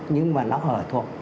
nhưng mà nó ở thuộc